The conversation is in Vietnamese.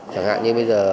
chẳng hạn như bây giờ